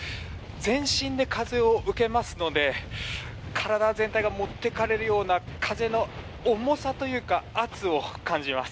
全身で風を受けますので体全体が持っていかれるような風の重さというか圧を感じます。